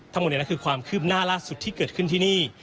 ทั้งหมดนี้คือความคืบหน้าล่าสุดที่เกิดขึ้นที่นี่